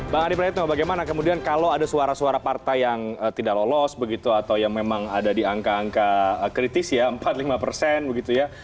bang adi praetno bagaimana kemudian kalau ada suara suara partai yang tidak lolos begitu atau yang memang ada di angka angka kritis ya empat puluh lima persen begitu ya